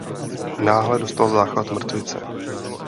Náhle dostal záchvat mrtvice.